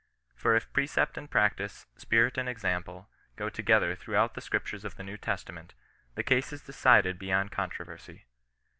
For if preciept and prac tice, spirit and example, go together throughout the Scriptures of the New Testament, the case is decided beyond controversy.